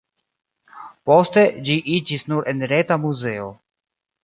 Poste, ĝi iĝis nur-enreta muzeo.